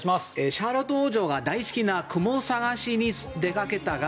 シャーロット王女が大好きなクモ探しに出かけたが